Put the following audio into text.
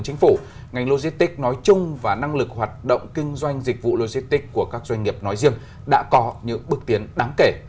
ngành logistics nói chung và năng lực hoạt động kinh doanh dịch vụ logistics của các doanh nghiệp nói riêng đã có những bước tiến đáng kể